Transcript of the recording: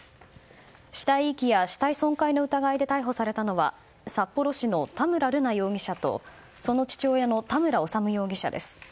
死体遺棄や死体損壊の疑いで逮捕されたのは札幌市の田村瑠奈容疑者とその父親の田村修容疑者です。